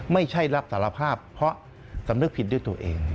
ไม่ใช่รับสารภาพเพราะสำนึกผิดด้วยตัวเอง